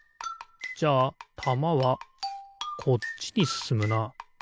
じゃあたまはこっちにすすむな。